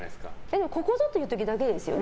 でもここぞという時だけですよね。